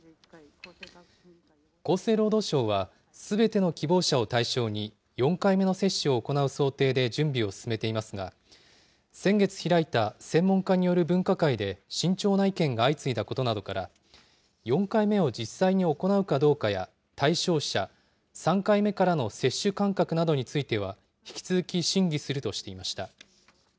厚生労働省は、すべての希望者を対象に４回目の接種を行う想定で準備を進めていますが、先月開いた専門家による分科会で慎重な意見が相次いだことなどから、４回目を実際に行うかどうかや、対象者、３回目からの接種間隔などについては、引き続き審議するとしていました。